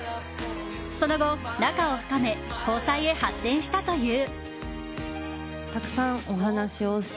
その後、仲を深め交際へ発展したという。